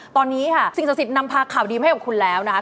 ตอนนี้ค่ะสิ่งศักดิ์สิทธิ์นำพาข่าวดีมาให้กับคุณแล้วนะคะ